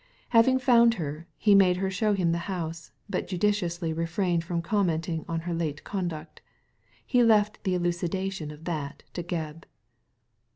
Having found her, he made her show him the house, but judiciously refrained from commenting on her late conduct He left the elucidation of that to Gebb.